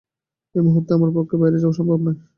এই মুহূর্তে আমার পক্ষে বাইরে যাওয়া সম্ভব নয়।